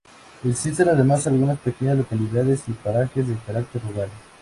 Existen además algunas pequeñas localidades y parajes de carácter rural.